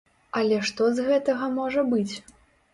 Але што з гэтага можа быць?